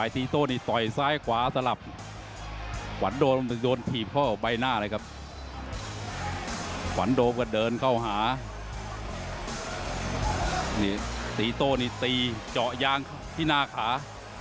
สีโต้นี่ตีเจาะยางที่หน้าขา